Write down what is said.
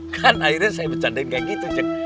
kan akhirnya saya bercandain kayak gitu cek